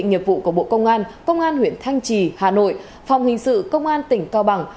nghiệp vụ của bộ công an công an huyện thanh trì hà nội phòng hình sự công an tỉnh cao bằng